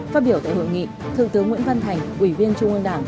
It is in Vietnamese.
phát biểu tại hội nghị thượng tướng nguyễn văn thành ủy viên trung ương đảng